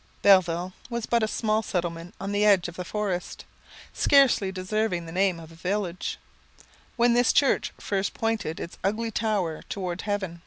Belleville was but a small settlement on the edge of the forest, scarcely deserving the name of a village, when this church first pointed its ugly tower towards heaven.